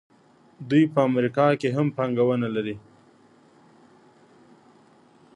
دوی په امریکا کې هم پانګونه لري.